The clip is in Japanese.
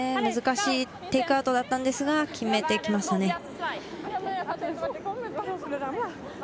難しいテイクアウトだったのですが決めてきますね。